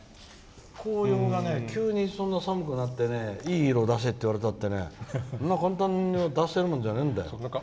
紅葉が、そんな急に寒くなっていい色出せって言われてもそんな簡単に出せるもんじゃないんだよって。